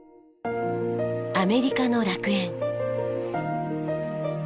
「アメリカの楽園」。